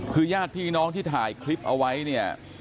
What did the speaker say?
คือญาติพี่น้องที่ถ่ายคลิปเอาไว้เนี่ย